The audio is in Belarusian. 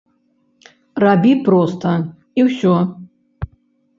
Рабі проста і ўсё.